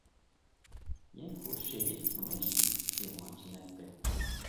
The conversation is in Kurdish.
yên ku şehîd bûne jî cihê wan cinet be.